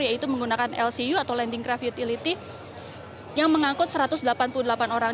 yaitu menggunakan lcu atau landing graft utility yang mengangkut satu ratus delapan puluh delapan orang